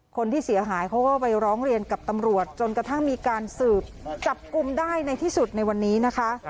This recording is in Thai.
คนที่เสียหายเขาก็ไปร้องเรียนกับตำรวจจนกระทั่งมีการสืบจับกลุ่มได้ในที่สุดในวันนี้นะคะ